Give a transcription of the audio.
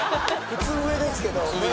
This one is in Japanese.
普通上ですけどね